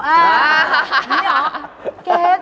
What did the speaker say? เกรซไม่มีผ้าหนูผ้าหรือเปล่า